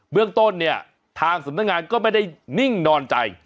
เรื่องต้นเนี่ยทางสำนักงานก็ไม่ได้นิ่งนอนใจ